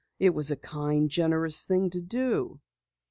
"It was a kind, generous thing to do."